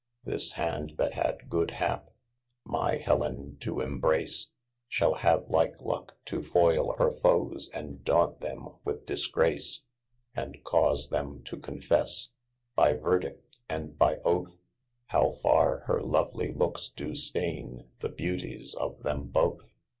This hand that had good hap, my Hellen to embrace, Shal have like lucie to [foyle\ hir foes, & daut them with disgrace. And cause them to confesse by verdi& and by othe, How fiarre hir lovelie lookes do steine, the beauties of them both.